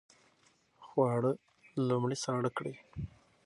خواړه لومړی ساړه کړئ.